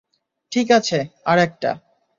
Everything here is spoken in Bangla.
ঠিক আছে, আর একটা।